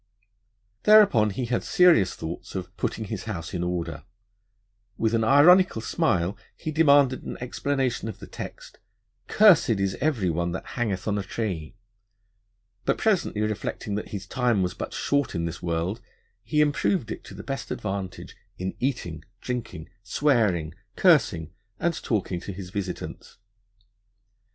Thereupon he had serious thoughts of 'putting his house in order'; with an ironical smile he demanded an explanation of the text: 'Cursed is every one that hangeth on a tree'; but, presently reflecting that 'his Time was but short in this World, he improved it to the best advantage in Eating, Drinking, Swearing, Cursing, and talking to his Visitants.'